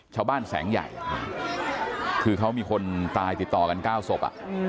ชาวบ้านแสงใหญ่คือเขามีคนตายติดต่อกัน๙ศพ